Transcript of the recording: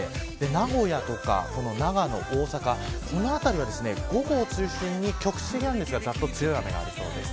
名古屋とか長野、大阪、この辺りは午後を中心に局地的なんですがざっと強い雨が出そうです。